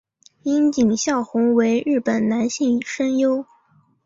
樱井孝宏为日本男性声优。